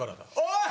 「おい！